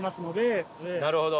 なるほど。